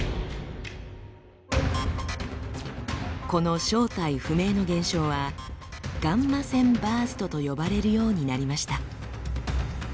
この正体不明の現象は「ガンマ線バースト」と呼ばれるようになりました。